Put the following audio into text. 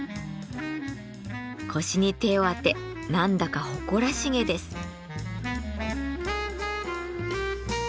腰に手を当て何だか誇らしげです。